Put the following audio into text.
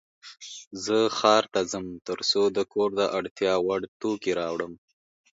زه ښار ته ځم ترڅو د کور د اړتیا وړ توکې راوړم.